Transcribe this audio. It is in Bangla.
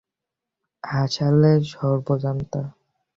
হাসালে, সবজান্তা।